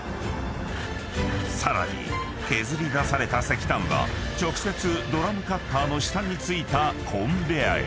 ［さらに削り出された石炭は直接ドラムカッターの下に付いたコンベヤーへ］